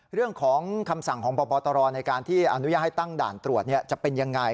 เรื่องของคำสั่งของพบตรในการที่อนุญาตให้ตั้งด่านตรวจจะเป็นยังไง